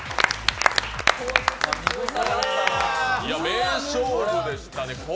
名勝負でしたね。